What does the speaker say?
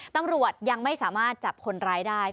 ตำรวจยังไม่สามารถจับคนร้ายได้